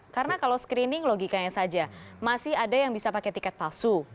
karena kalau screening logikanya saja masih ada yang bisa pakai tiket palsu